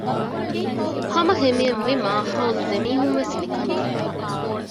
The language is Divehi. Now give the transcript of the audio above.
ހަމަހިމޭން މި މާހައުލު ދެމީހުންވެސް ނިކަން ގަޔާވި